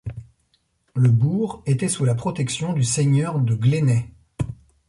Le bourg était sous la protection du seigneur de Glénay.